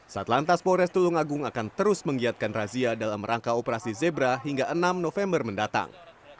satlantas polres tulung agung akan terus menggiatkan razia dalam rangka operasi zebra hingga enam november mendatang